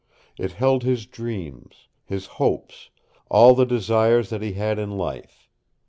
It held his dreams, his hopes, all the desires that he had in life.